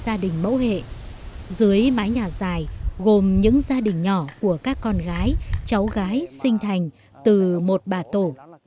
gia đình mẫu hệ dưới mái nhà dài gồm những gia đình nhỏ của các con gái cháu gái sinh thành từ một bà tổ